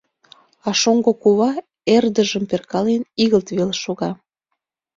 А шоҥго кува, эрдыжым перкален, игылт веле шога.